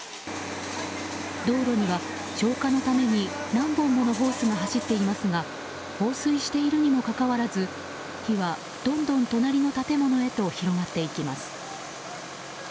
道路には消火のために何本ものホースが走っていますが放水しているにもかかわらず火はどんどん隣の建物へと広がっていきます。